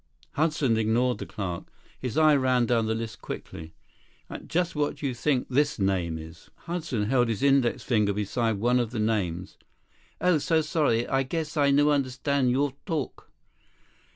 Hudson ignored the clerk. His eye ran down the list quickly. "And just what do you think this name is?" Hudson held his index finger beside one of the names. "Oh, so sorry. I guess I no understand your talk."